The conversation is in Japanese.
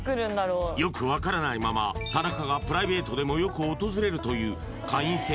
よく分からないまま田中がプライベートでもよく訪れるという会員制